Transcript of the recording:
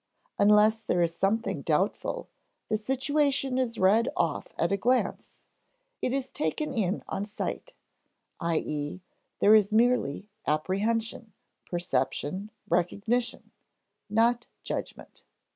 Unless there is something doubtful, the situation is read off at a glance; it is taken in on sight, i.e. there is merely apprehension, perception, recognition, not judgment.